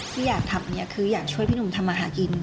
ที่อยากทำเนี่ยคืออยากช่วยพี่หนุ่มทำมาหากิน